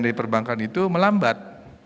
diperbankan itu melambat